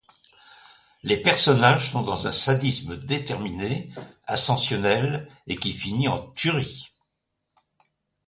Les personnages sont dans un sadisme déterminé, ascensionnel et qui finit en tuerie.